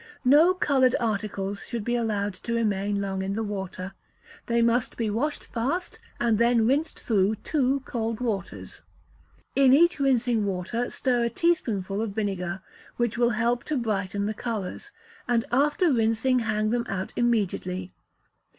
No coloured articles should be allowed to remain long in the water. They must be washed fast, and then rinsed through two cold waters. In each, rinsing water stir a teaspoonful of vinegar, which will help to brighten the colours; and after rinsing, hang them out immediately.